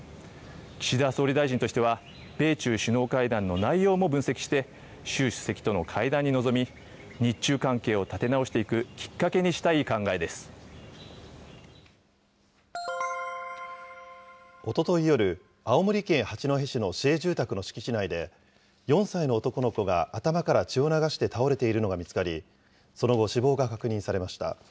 岸田総理大臣としては、米中首脳会談の内容も分析して、習主席との会談に臨み、日中関係を立て直していくきっかけにしたい考えでおととい夜、青森県八戸市の市営住宅の敷地内で、４歳の男の子が頭から血を流して倒れているのが見つかり、その後、死亡が確認されました。